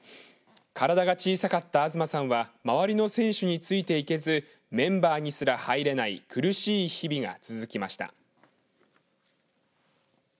体が小さかった東さんは周りの選手についていけずメンバーにすら入れない苦しい日々が続きました。